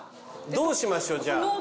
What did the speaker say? どうしましょうじゃあ。